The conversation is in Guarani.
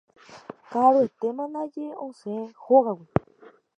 Ka'aruetéma ndaje osẽ hógagui